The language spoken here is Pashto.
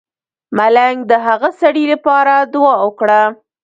ملنګ د هغه سړی لپاره دعا وکړه.